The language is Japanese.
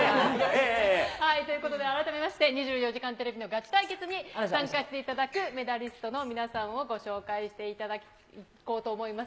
ええ、ということで改めまして、２４時間テレビのガチ対決に、参加していただくメダリストの皆さんをご紹介していこうと思います。